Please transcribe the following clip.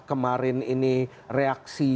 kemarin ini reaksi